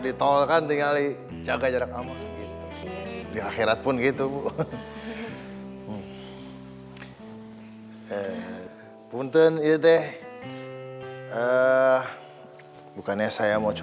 ditol kan tinggal jaga jarak aman di akhirat pun gitu bu punten ide eh bukannya saya mau